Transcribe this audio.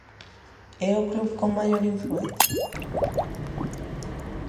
E o club con maior influencia?